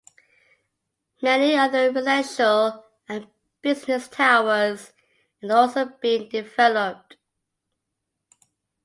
Many other residential and business towers are also being developed.